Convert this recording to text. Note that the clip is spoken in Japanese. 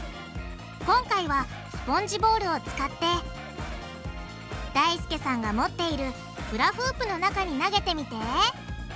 今回はスポンジボールを使ってだいすけさんが持っているフラフープの中に投げてみて！